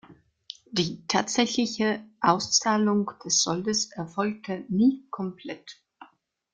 Die tatsächliche Auszahlung des Soldes erfolgte nie komplett.